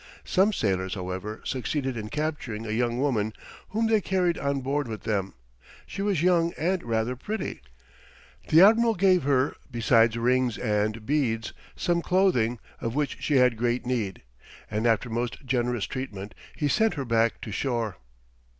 Some sailors, however, succeeded in capturing a young woman, whom they carried on board with them. She was young and rather pretty. The admiral gave her, besides rings and beads, some clothing, of which she had great need, and after most generous treatment, he sent her back to shore.